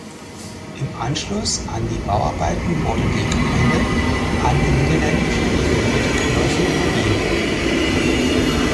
Im Anschluss an die Bauarbeiten wurde die Kapelle an die Niederländische Reformierte Kirche übergeben.